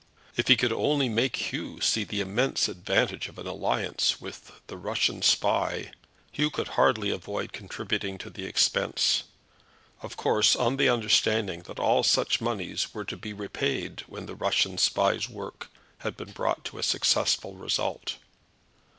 If he could only make Hugh see the immense advantage of an alliance with the Russian spy, Hugh could hardly avoid contributing to the expense, of course on the understanding that all such moneys were to be repaid when the Russian spy's work had been brought to a successful result.